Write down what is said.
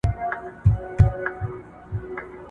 که باران وشي، نو د سړک دوړې به ټولې کښېني.